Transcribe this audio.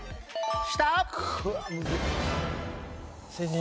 下！